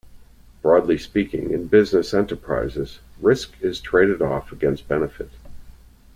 Broadly speaking, in business enterprises, risk is traded off against benefit.